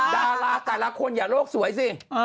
ดาราดาราคนอย่าโลกสวยซิ